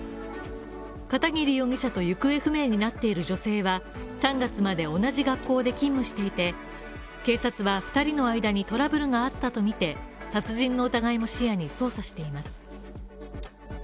片桐容疑者と行方不明になっている女性は、３月まで同じ学校で勤務していて、警察は２人の間にトラブルがあったとみて、殺人の疑いも視野に捜査しています。